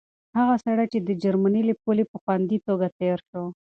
هغه سړی د جرمني له پولې په خوندي توګه تېر شو.